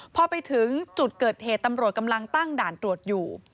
พอไปถึงจุดเกิดเหตุตำรวจกำลังตั้งด่านตรวจอยู่